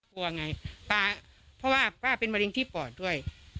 กลัวไงป้าเพราะว่าป้าเป็นมะเร็งที่ปอดด้วย